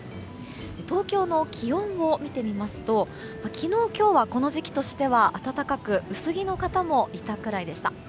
東京の気温を見てみますと昨日、今日はこの時期としては暖かく薄着の方もいたくらいでした。